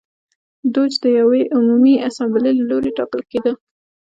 دوج د یوې عمومي اسامبلې له لوري ټاکل کېده.